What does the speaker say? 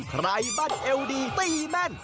บั้นเอวดีตีแม่น